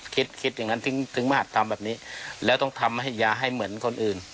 คิดคิดอย่างนั้นถึงมาตรทำแบบนี้แล้วต้องทำให้ยาให้เหมือนคนอื่น